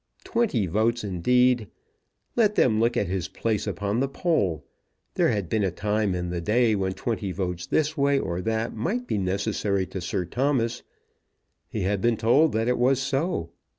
Twenty votes indeed! Let them look at his place upon the poll. There had been a time in the day when twenty votes this way or that might be necessary to Sir Thomas. He had been told that it was so.